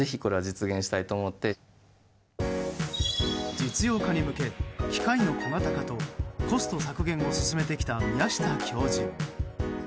実用化に向け機械の小型化とコスト削減を進めてきた宮下教授。